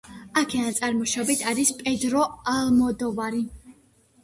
აქედან წარმოშობით არის პედრო ალმოდოვარი.